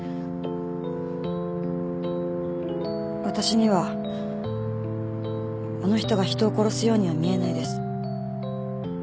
私にはあの人が人を殺すようには見えないです。